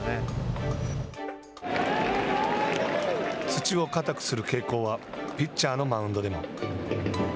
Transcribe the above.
土を硬くする傾向はピッチャーのマウンドでも。